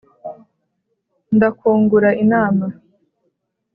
Ndakungura inama